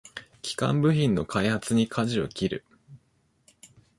基幹部品の開発にかじを切る